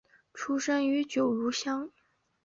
出生于九如乡。